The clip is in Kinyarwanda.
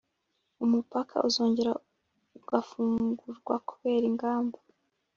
umupaka uzongera ugafungurwakubera ingamba